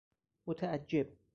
متعجب